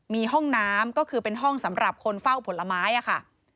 มีห้องน้ำก็คือเป็นห้องสำหรับคนเฝ้าผลไม้ค่ะ